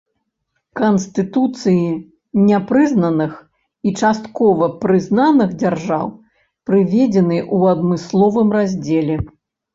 Канстытуцыі непрызнаных і часткова прызнаных дзяржаў прыведзены ў адмысловым раздзеле.